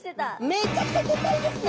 めちゃくちゃでかいですね！